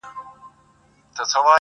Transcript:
کلونه کیږي چي مي هېره ده د یار کوڅه